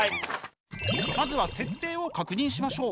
まずは設定を確認しましょう。